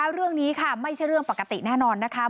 เรื่องนี้ค่ะไม่ใช่เรื่องปกติแน่นอนนะคะ